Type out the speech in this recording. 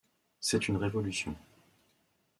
C'est une révolution.